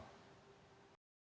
terima kasih pak selamat